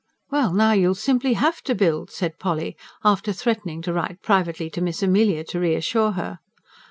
"Well, now you'll simply HAVE to build," said Polly, after threatening to write privately to Miss Amelia, to reassure her.